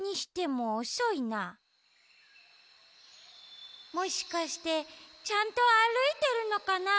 もしかしてちゃんとあるいてるのかな？